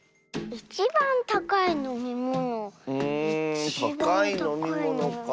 うんたかいのみものかあ。